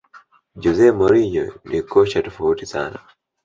jose mourinho ni kocha tofautisana